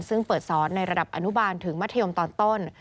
ซึ่งเปิดสอนในระดับอนุบาลถึงมัธยมตอนต้น